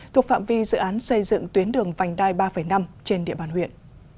thuộc phạm vi dự án xây dựng tuyến đường vành đai ba năm trên địa bàn huyện